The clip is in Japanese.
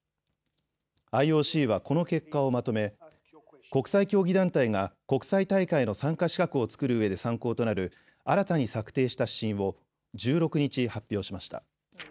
ＩＯＣはこの結果をまとめ国際競技団体が国際大会の参加資格を作るうえで参考となる新たに策定した指針を１６日、発表しました。